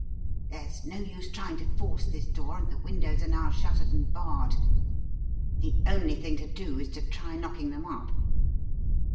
"There's no use trying to force this door and the windows are now shuttered and barred. The only thing to do is to try knocking them up."